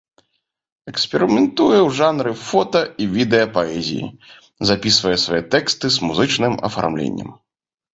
Эксперыментуе ў жанры фота і відэа-паэзіі, запісвае свае тэксты з музычным афармленнем.